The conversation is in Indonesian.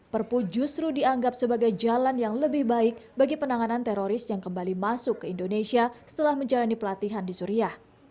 perpu justru dianggap sebagai jalan yang lebih baik bagi penanganan teroris yang kembali masuk ke indonesia setelah menjalani pelatihan di suriah